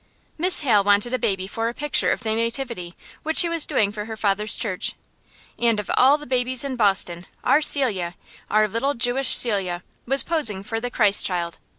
Miss Hale wanted a baby for a picture of the Nativity which she was doing for her father's church; and of all the babies in Boston, our Celia, our little Jewish Celia, was posing for the Christ Child!